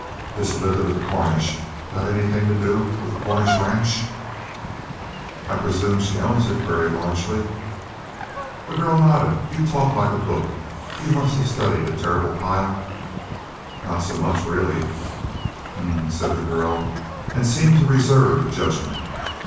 This Elizabeth Cornish got anything to do with the Cornish ranch?" "I presume she owns it, very largely." The girl nodded. "You talk like a book. You must of studied a terrible pile." "Not so much, really." "H'm," said the girl, and seemed to reserve judgment.